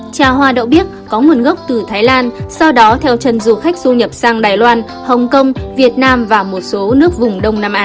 trà hoa đậu biếc có nguồn gốc từ thái lan sau đó theo chân du khách du nhập sang đài loan hồng kông việt nam và một số nước vùng đông nam á